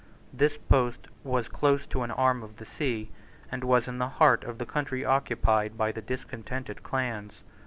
This post was close to an arm of the sea, and was in the heart of the country occupied by the discontented clans.